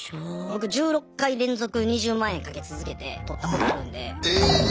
僕１６回連続２０万円賭け続けてとったことあるんで。